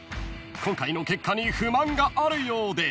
今回の結果に不満があるようで］